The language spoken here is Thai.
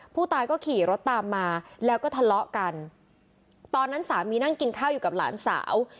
ผู้ตายก็ขี่รถตามมาแล้วก็ทะเลาะกันตอนนั้นสามีนั่งกินข้าวอยู่กับหลานสาว